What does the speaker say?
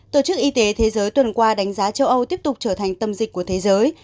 tổ chức y tế thế giới tuần qua đánh giá châu âu tiếp tục trở thành tâm dịch của thế giới